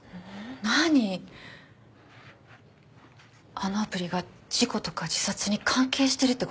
あのアプリが事故とか自殺に関係してるってこと？